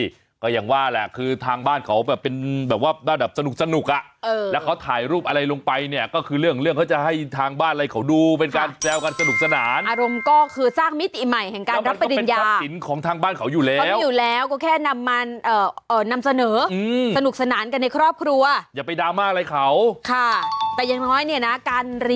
ใช่ก็อย่างว่าแหละคือทางบ้านเขาแบบเป็นแบบว่าบ้านแบบสนุกสนุกอ่ะเออแล้วเขาถ่ายรูปอะไรลงไปเนี่ยก็คือเรื่องเรื่องเขาจะให้ทางบ้านอะไรเขาดูเป็นการแซวกันสนุกสนานอารมณ์ก็คือสร้างมิติใหม่แห่งการรับปริญญาทรัพย์สินของทางบ้านเขาอยู่แล้วเขาอยู่แล้วก็แค่นำมาเอ่อนำเสนอสนุกสนานกันในครอบครัวอย่าไปดราม่าอะไรเขาค่ะแต่อย่างน้อยเนี่ยนะการรี